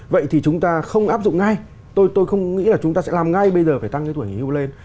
vậy thì chúng ta không áp dụng ngay tôi không nghĩ là chúng ta sẽ làm ngay bây giờ phải tăng cái tuổi nghỉ hưu lên